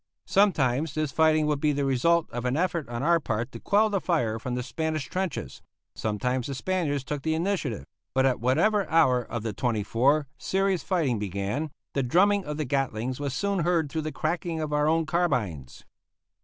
Sometimes this fighting would be the result of an effort on our part to quell the fire from the Spanish trenches; sometimes the Spaniards took the initiative; but at whatever hour of the twenty four serious fighting began, the drumming of the Gatlings was soon heard through the cracking of our own carbines.